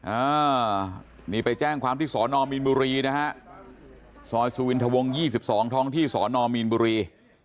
อ่านี่ไปแจ้งความที่สอนอมีนบุรีนะฮะซอยสุวินทวง๒๒ท้องที่สอนอมีนบุรี